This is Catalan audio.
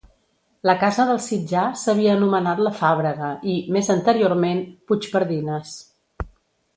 La casa del Sitjar s'havia anomenat La Fàbrega i, més anteriorment, Puigpardines.